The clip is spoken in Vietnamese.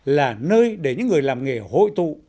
là nơi để những người làm nghề hội tụ